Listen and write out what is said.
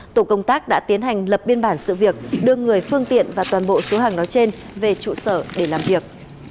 tổ công tác đã tiến hành lập biên bản sự việc đưa người phương tiện và toàn bộ số hàng nói trên về trụ sở để làm việc